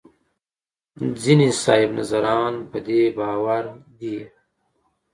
ځینې صاحب نظران په دې باور دي.